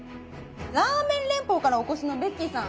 ラーメン連邦からお越しのベッキーさん。